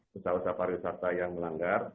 pesawat pariwisata yang melanggar